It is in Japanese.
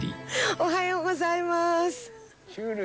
「おはようございます」